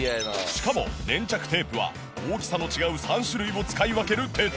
しかも粘着テープは大きさの違う３種類を使い分ける徹底ぶり。